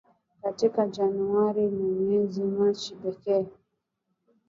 Kati ya Januari na mwezi Machi pekee